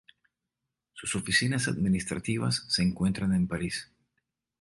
Sus oficinas administrativas se encuentran en París.